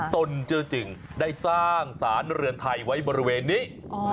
ตนเจอจึงได้สร้างสารเรือนไทยไว้บริเวณนี้